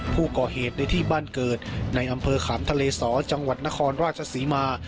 ผู้ก่อเหตุในที่บ้านเกิดในอำเภอขามทะเลสอจังหวัดนครราชศรีมา